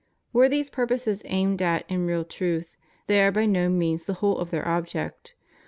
Were these pur poses aimed at in real truth, they are by no means the whole of their object.